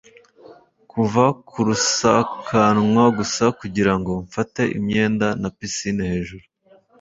kuva ku rusakanwa gusa kugirango mfate imyenda na pisine hejuru